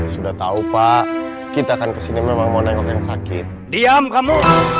sudah tahu pak kita akan kesini memang mau nengok yang sakit diam kamu